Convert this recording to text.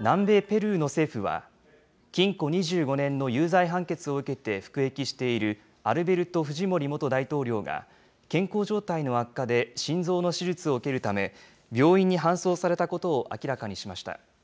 南米ペルーの政府は、禁錮２５年の有罪判決を受けて服役しているアルベルト・フジモリ元大統領が、健康状態の悪化で心臓の手術を受けるため、病院に搬送されたことを明らかにしました。